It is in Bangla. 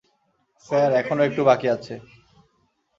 স্যার, এখনো একটু বাকি আছে।